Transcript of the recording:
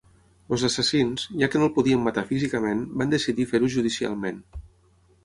Els assassins, ja que no el podien matar físicament, van decidir fer-ho judicialment.